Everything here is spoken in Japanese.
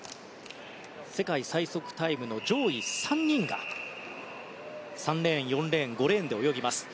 世界最速タイムの上位３人が３レーン、４レーン、５レーンで泳ぎます。